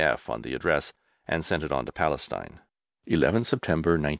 E.F." on the address, and sent it on to Palestine: 11TH DECEMBER, 1918.